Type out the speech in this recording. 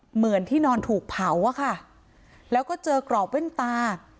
เหมือนที่นอนถูกเผาอะค่ะแล้วก็เจอกรอบแว่นตา